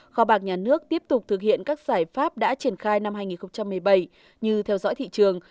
kho bạc nhà nước tiếp tục thực hiện các giải pháp đã triển khai năm hai nghìn một mươi bảy như theo dõi thị trường